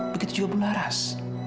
begitu juga bularas